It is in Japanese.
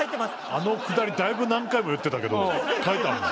あのくだりだいぶ何回も言ってたけど書いてあるんだ？